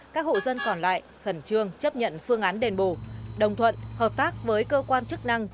các hộ dân còn lại khẩn trương chấp nhận phương án đền bồ đồng thuận hợp tác với cơ quan chức năng